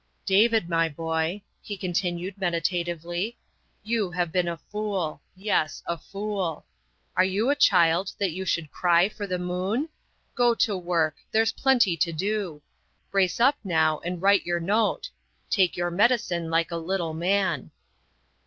" David, my boy," he continued meditatively, " you have been a fool yes, a fool. Are you a child that you should cry for the moon? Go to work; there's plenty to do. Brace up now and write your note; take your medicine like a little man."